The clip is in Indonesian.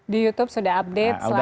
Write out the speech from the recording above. di youtube sudah update